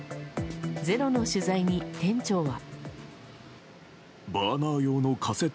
「ｚｅｒｏ」の取材に店長は。